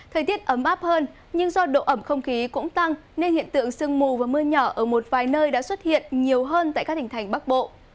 thời tiết ấm áp hơn nhưng do độ ẩm không khí cũng tăng nên hiện tượng sương mù và mưa nhỏ ở một vài nơi đã xuất hiện nhiều hơn tại các tỉnh thành bắc bộ